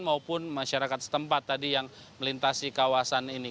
maupun masyarakat setempat tadi yang melintasi kawasan ini